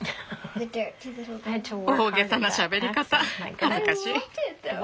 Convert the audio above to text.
大げさなしゃべり方恥ずかしい。